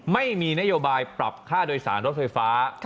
ไม่มีนโยบายปรับค่าโดยสารรถไฟฟ้า